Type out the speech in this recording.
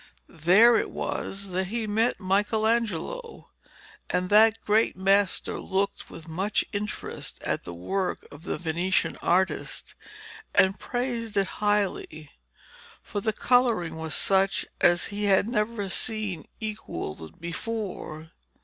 There it was that he met Michelangelo, and that great master looked with much interest at the work of the Venetian artist and praised it highly, for the colouring was such as he had never seen equalled before.